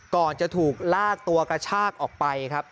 ก่อนจะถูกลากตัวกระชากออกไปครับ